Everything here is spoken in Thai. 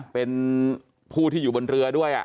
เป็นผู้ที่อยู่บนเรือด้วย